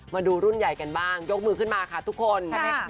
มาดูรุ่นใหญ่กันบ้างยกมือขึ้นมาค่ะทุกคน